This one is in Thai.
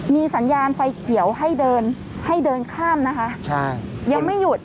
มีสัญญาณไฟเขียวให้เดินให้เดินข้ามนะคะใช่ยังไม่หยุด